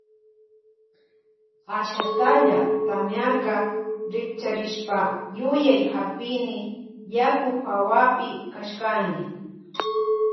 Ashatalla tamiarka rikcharishpa yuyay hapini yaku hawapi kashkani.